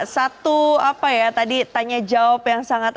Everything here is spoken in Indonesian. satu apa ya tadi tanya jawab yang sangat